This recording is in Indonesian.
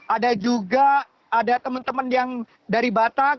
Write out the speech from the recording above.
ada juga teman teman dari batak